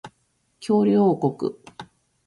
恐竜王国